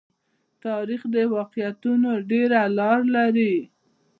تاریخ د واقعیتونو ډېره لار لري.